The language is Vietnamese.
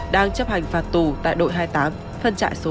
đang chấp hành phạt tù tại đội hai mươi tám phân trại số bốn